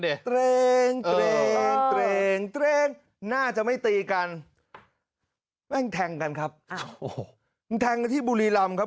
ดิน่าจะไม่ตีกันแว่งแทงกันครับโอ้โหแทงกันที่บุรีรำครับ